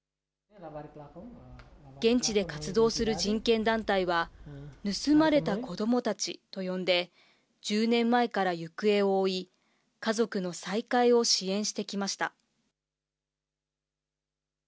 現地で活動する人権団体は、盗まれた子どもたちと呼んで、１０年前から行方を追い、家族の再会を支援してきました。